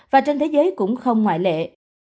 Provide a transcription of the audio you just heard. và trên thế giới cũng không ngoại lệ